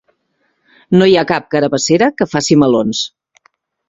No hi ha cap carabassera que faci melons.